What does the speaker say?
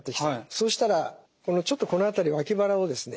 そうしたらちょっとこの辺り脇腹をですね